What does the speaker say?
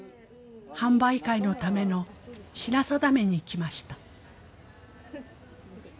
販売会のための品定めに来ました。